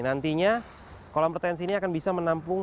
nantinya kolam retensi ini akan bisa menampung